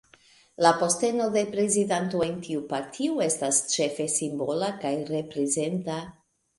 La posteno de prezidanto en tiu partio estas ĉefe simbola kaj reprezenta.